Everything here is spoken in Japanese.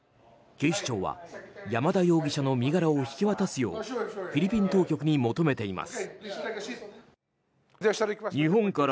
警視庁は山田容疑者の身柄を引き渡すようにフィリピン当局に求めています。